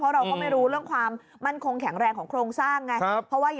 เราก็ไม่รู้เรื่องความมั่นคงแข็งแรงของโครงสร้างไง